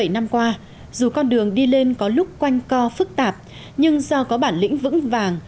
bảy năm qua dù con đường đi lên có lúc quanh co phức tạp nhưng do có bản lĩnh vững vàng